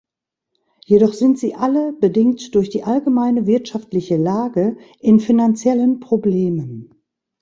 Jedoch sind sie alle, bedingt durch die allgemeine wirtschaftliche Lage, in finanziellen Problemen.